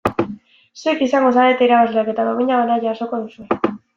Zuek izango zarete irabazleak eta domina bana jasoko duzue.